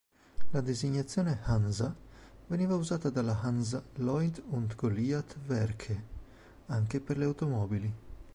La designazione "Hansa" veniva usata dalla „Hansa-Lloyd und Goliath-Werke“ anche per le automobili.